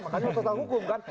makanya masuk akutasi hukum kan